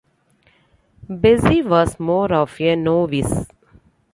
Bessie was more of a novice.